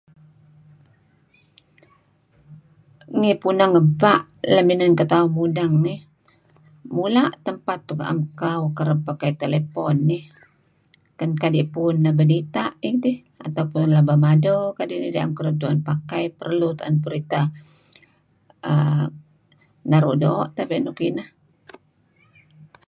Ngi puneng ebpa' lem inan ketauh mudeng eh, mula' tempat nuk na'em kereb tue'en pakai telefon eh, kan kadi' puun dih laba dita' dih atau pun laba mado dih kadi' idih 'am kereb tu'en pakai. Perlu periteh naru' doo' tebe' nuk ineh.